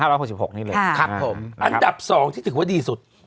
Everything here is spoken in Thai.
ครับผมอันดับ๒ที่ถือว่าดีสุด